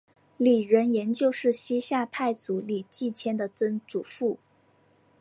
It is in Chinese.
李仁颜就是西夏太祖李继迁的曾祖父。